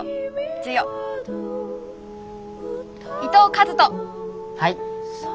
はい。